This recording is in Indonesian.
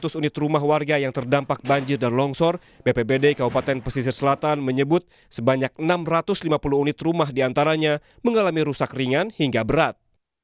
seratus unit rumah warga yang terdampak banjir dan longsor bpbd kabupaten pesisir selatan menyebut sebanyak enam ratus lima puluh unit rumah diantaranya mengalami rusak ringan hingga berat